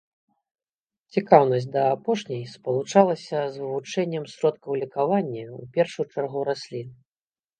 Цікаўнасць да апошняй спалучалася з вывучэннем сродкаў лекавання, у першую чаргу раслін.